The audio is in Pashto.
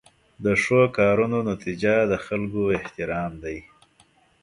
د ښو کارونو نتیجه د خلکو احترام دی.